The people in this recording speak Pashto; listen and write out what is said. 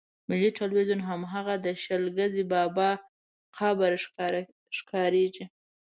ملي ټلویزیون هماغه د شل ګزي بابا قبر ښکارېږي.